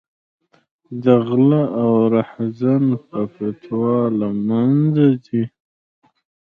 د غله او رحزن په فتوا له منځه ځي.